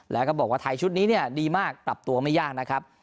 แล้วก็บอกว่าไทยชุดนี้เนี่ยดีมากปรับตัวไม่ยากนะครับ